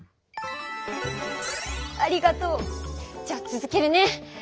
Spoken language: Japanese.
ありがとう。じゃあつづけるね。